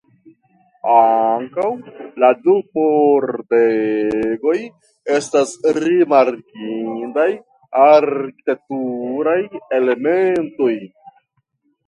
Ankaŭ la du pordegoj estas rimarkindaj arkitekturaj elementoj.